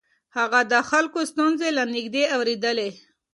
هغه د خلکو ستونزې له نږدې اورېدلې.